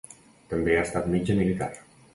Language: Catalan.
També ha estat metge militar.